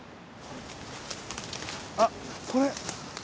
あっこれ！